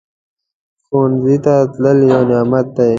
ښوونځی ته تلل یو نعمت دی